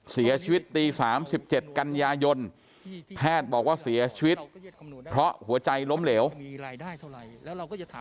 เสียชีวิตตี๓๗กันยายนแพทย์บอกว่าเสียชีวิตเพราะหัวใจล้มเหลว